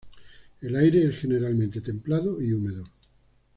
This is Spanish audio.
El aire es generalmente templado y húmedo.